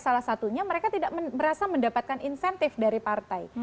salah satunya mereka tidak merasa mendapatkan insentif dari partai